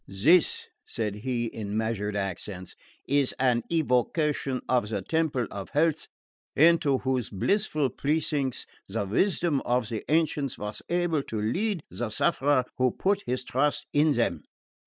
"This," said he, in measured accents, "is an evocation of the Temple of Health, into whose blissful precincts the wisdom of the ancients was able to lead the sufferer who put his trust in them.